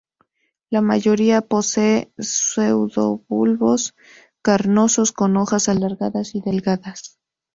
La mayoría posee pseudobulbos carnosos, con hojas alargadas y delgadas.